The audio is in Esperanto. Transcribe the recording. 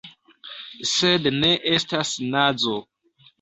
Sed ne estas nazo.